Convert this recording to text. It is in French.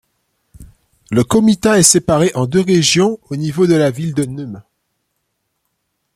Le comitat est séparé en deux régions au niveau de la ville de Neum.